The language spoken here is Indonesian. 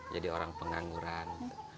jadi orang pengangguran